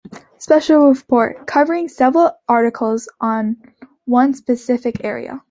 Special Report: Covering several articles on one specific area.